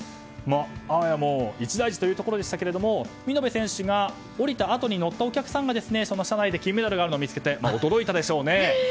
あわや一大事というところでしたが見延選手が降りたあとに乗ったお客さんが車内に金メダルがあるのを見つけて驚いたでしょうね。